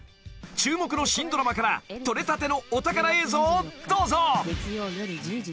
［注目の新ドラマからとれたてのお宝映像をどうぞ］